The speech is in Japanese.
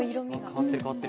変わってる変わってる。